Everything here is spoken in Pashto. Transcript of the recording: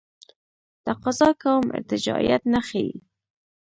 تقاضا کوم ارتجاعیت نه ښیي.